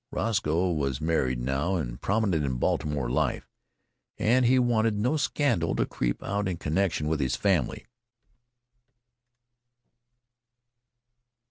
Roscoe was married now and prominent in Baltimore life, and he wanted no scandal to creep out in connection with his family.